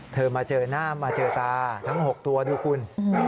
มาเจอหน้ามาเจอตาทั้ง๖ตัวดูคุณ